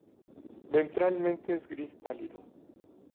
Ventralmente es gris pálido.